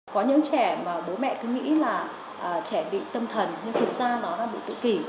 có những trẻ mà bố mẹ cứ nghĩ là trẻ bị tâm thần nhưng thực ra nó là bị tự kỷ